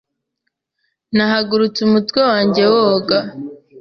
Nahagurutse, umutwe wanjye woga.